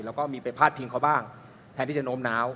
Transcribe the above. แล้วก็มีไปพาดพิงเขาบ้างแทนที่จะโน้มน้าว